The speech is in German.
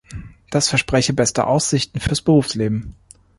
Das verspreche beste Aussichten fürs Berufsleben.